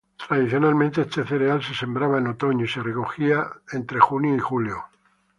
Tradicionalmente este cereal se sembraba en otoño y se recogía en junio o julio.